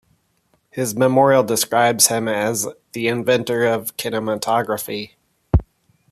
His memorial describes him as "the Inventor of Kinematography".